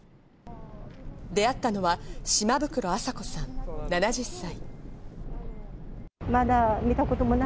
出会ったのは島袋朝子さん、７０歳。